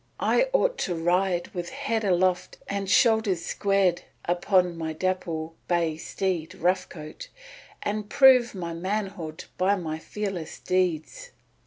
I ought to ride with head aloft and shoulders squared upon my dapple bay steed Rough Coat, and prove my manhood by my fearless deeds.